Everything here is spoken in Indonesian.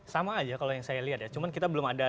sama aja kalau yang saya lihat ya cuman kita belum ada